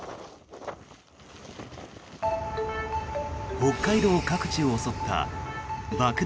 北海道各地を襲った爆弾